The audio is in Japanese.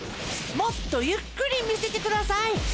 もっとゆっくりみせてください。